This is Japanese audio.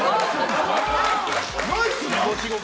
ナイスなの？